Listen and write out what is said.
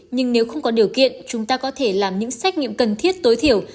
nhưng nếu không có điều kiện chúng ta có thể làm những xét nghiệm cần thiết tối thiểu